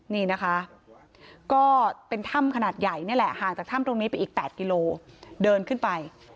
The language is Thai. นี่นะคะก็เป็นถ้ำขนาดใหญ่นี่แหละห่างจากถ้ำตรงนี้ไปอีก๘กิโลเดินขึ้นไป